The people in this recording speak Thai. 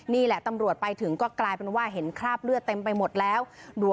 นี่แหละตำรวจไปถึงก็กลายเป็นว่าเห็นคราบเลือดเต็มไปหมดแล้ว